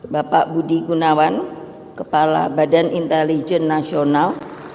bapak budi gunawan kepala badan intelijen nasional